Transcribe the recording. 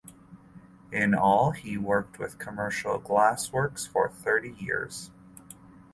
In all he worked with commercial glassworks for thirty years.